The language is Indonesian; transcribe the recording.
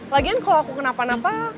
lagian kalau aku kenapa napa